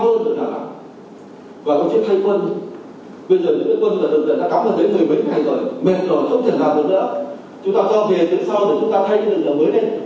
chúng ta cho về từ sau để chúng ta thay cái đường mới lên